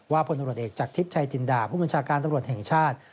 พลตำรวจเอกจากทิพย์ชัยจินดาผู้บัญชาการตำรวจแห่งชาติ